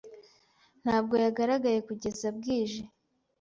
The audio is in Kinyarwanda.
Ntabwo yagaragaye kugeza bwije.